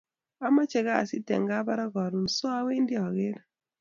amache kasit en Kabarak karun so awendi akere